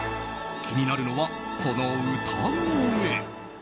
気になるのは、その歌声。